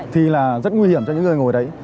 thì là rất nguy hiểm cho những người ngồi đấy